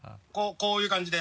こういう感じで。